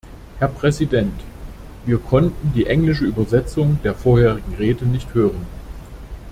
Herr Präsident! Wir konnten die englische Übersetzung der vorherigen Rede nicht hören.